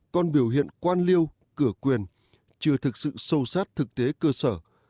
còn biểu hiện quan liêu cửa quyền chưa thực sự sâu sát thực tế cơ sở